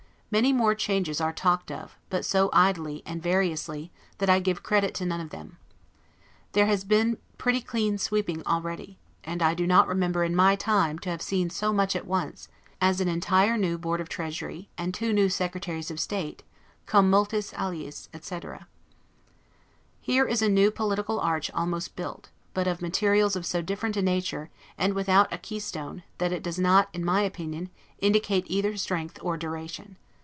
Many more changes are talked of, but so idly, and variously, that I give credit to none of them. There has been pretty clean sweeping already; and I do not remember, in my time, to have seen so much at once, as an entire new Board of Treasury, and two new Secretaries of State, 'cum multis aliis', etc. Here is a new political arch almost built, but of materials of so different a nature, and without a key stone, that it does not, in my opinion, indicate either strength or duration.